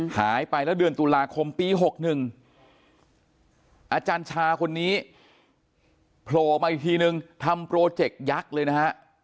หายไปแล้วเดือนตุลาคมปี๖๑อาจารย์ชาคนนี้โผล่มาอีกทีนึงทำโปรเจกต์ยักษ์เลยนะฮะ